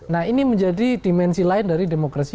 nah ini menjadi dimensi lain dari demokrasi